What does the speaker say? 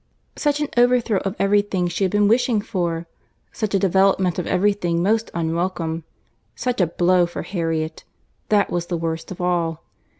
—Such an overthrow of every thing she had been wishing for!—Such a development of every thing most unwelcome!—Such a blow for Harriet!—that was the worst of all.